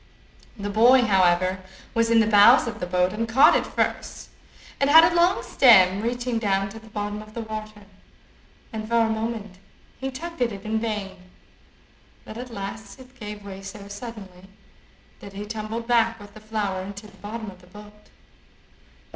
The boy, however, was in the bows of the boat, and caught it first. It had a long stem, reaching down to the bottom of the water, and for a moment he tugged at it in vain, but at last it gave way so suddenly, that he tumbled back with the flower into the bottom of the boat.